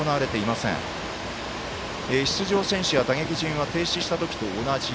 出場選手や打撃順は停止した時と同じ。